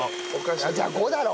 じゃあ５だろ。